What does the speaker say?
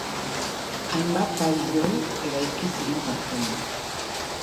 Hainbat pabiloi eraiki ziren parkean.